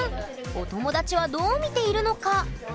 お友達はどう見ているのか？